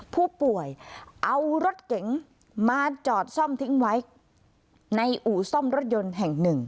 ผู้ป่วยเอารถเก๋งมาจอดซ่อมทิ้งไว้ในอู่ซ่อมรถยนต์แห่งหนึ่ง